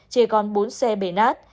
chỉ còn bốn xe bể nát